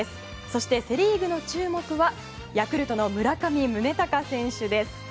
そして、セ・リーグの注目はヤクルトの村上宗隆選手です。